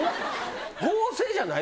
合成じゃないよね？